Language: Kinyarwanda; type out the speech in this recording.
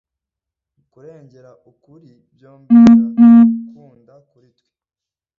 kurengera ukuri Byombi birakundwa kuri twe